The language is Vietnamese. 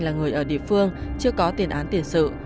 là người ở địa phương chưa có tiền án tiền sự